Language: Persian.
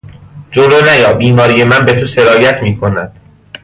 جلو نیا بیماری من به تو سرایت میکند!